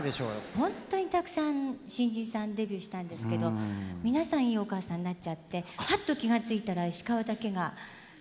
本当にたくさん新人さんデビューしたんですけど皆さんいいお母さんになっちゃってハッと気が付いたら石川だけが歌を歌ってたという。